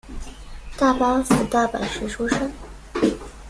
大阪府大阪市出身。